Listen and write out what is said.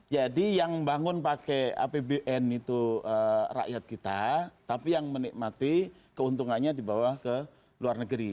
jadi yang bangun pakai apbn itu rakyat kita tapi yang menikmati keuntungannya dibawa ke luar negeri